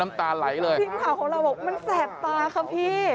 มันแสบตาค่ะพี่